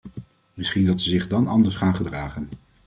Misschien dat ze zich dan anders gaan gedragen.